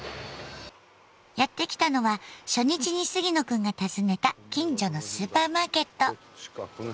やって来たのは初日に杉野くんが訪ねた近所のスーパーマーケット。